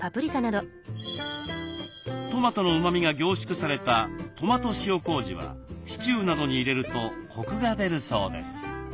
トマトのうまみが凝縮されたトマト塩こうじはシチューなどに入れるとコクが出るそうです。